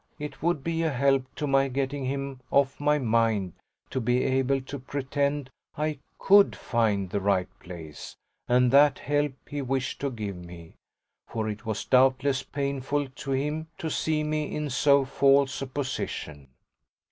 It would be a help to my getting him off my mind to be able to pretend I COULD find the right place, and that help he wished to give me, for it was doubtless painful to him to see me in so false a position.